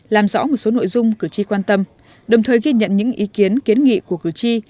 làm rõ một số nội dung cử tri quan tâm đồng thời ghi nhận những ý kiến kiến nghị của cử tri